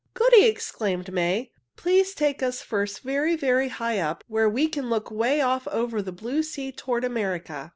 "Goody!" exclaimed May. "Please take us first very, very high up where we can look 'way off over the blue sea toward America."